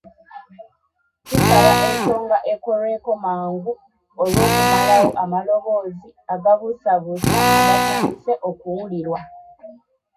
Tusaba ensonga ekolweko mangu olw'okumalawo amaloboozi agabuusabuusa agatandise okuwulirwa.